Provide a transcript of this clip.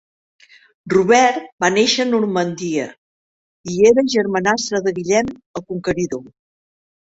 Robert va néixer a Normandia, i era germanastre de Guillem el Conqueridor.